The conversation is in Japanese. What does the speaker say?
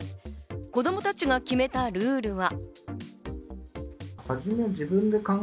子供たちが決めたルールは。